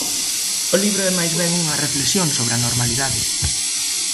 O libro é máis ben unha reflexión sobre a normalidade.